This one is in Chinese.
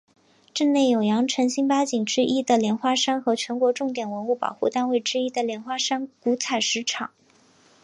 镇内有羊城新八景之一的莲花山和全国重点文物保护单位之一的莲花山古采石场。